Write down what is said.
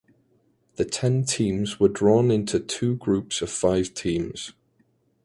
The ten teams were drawn into two groups of five teams.